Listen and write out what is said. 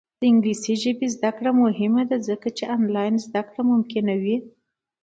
د انګلیسي ژبې زده کړه مهمه ده ځکه چې آنلاین زدکړه ممکنه کوي.